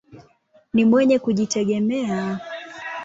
Ni mwenye kujitegemea.